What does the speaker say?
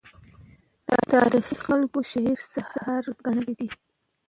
تاریخي خلکو شعر سحر ګڼلی دی.